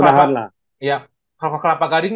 ya kalau kelapa gading